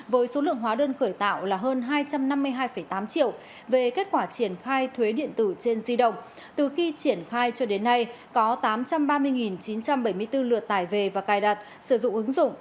với số lượng hóa đơn khởi tạo là hơn hai trăm năm mươi hai tám triệu về kết quả triển khai thuế điện tử trên di động từ khi triển khai cho đến nay có tám trăm ba mươi chín trăm bảy mươi bốn lượt tải về và cài đặt sử dụng ứng dụng